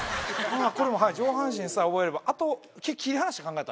これも上半身さえ覚えれば。